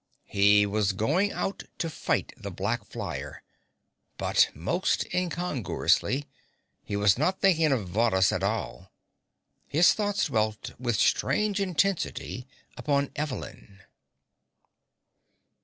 He was going out to fight the black flyer, but most incongruously he was not thinking of Varrhus at all. His thoughts dwelt with strange intensity upon Evelyn.